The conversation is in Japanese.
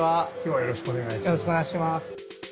よろしくお願いします。